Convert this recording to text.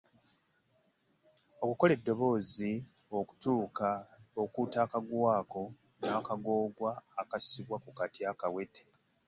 Okukola eddoboozi okuuta akagwa ako n’akagoogwa akasibwa ku kati akawete.